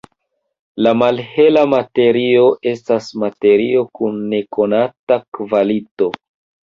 La malhela materio estas materio kun nekonata kvalito.